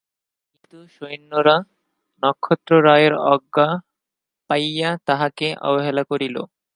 কিন্তু সৈন্যরা নক্ষত্ররায়ের আজ্ঞা পাইয়া তাঁহাকে অবহেলা করিল।